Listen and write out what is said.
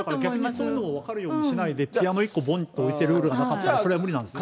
逆にそういうのを分かるようにしないで、ピアノ１個ぼんって置いてあったら、それは無理なんですね。